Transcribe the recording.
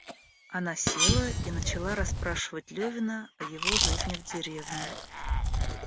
Она села и начала расспрашивать Левина о его жизни в деревне.